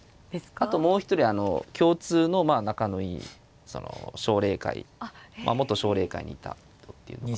あともう一人共通の仲のいいその奨励会元奨励会にいた人っていうのが。